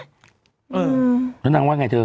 แล้วนางว่าอย่างไรเธอ